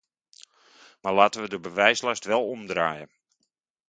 Maar laten we de bewijslast wel omdraaien.